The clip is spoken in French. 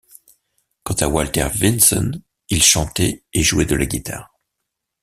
Quant à Walter Vinson il chantait et jouait de la guitare.